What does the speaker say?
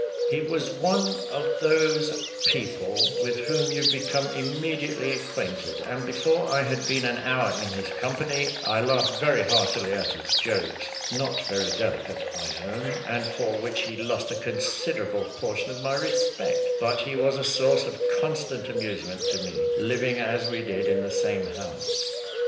He was one of those people with whom you become immediately acquainted; and before I had been an hour in his company, I laughed very heartily at his jokes not very delicate, I own, and for which he lost a considerable portion of my respect; but he was a source of constant amusement to me, living as we did in the same house.